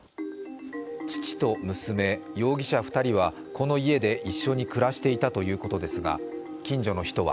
父と娘、容疑者２人はこの家で一緒に暮らしていたということですが、近所の人は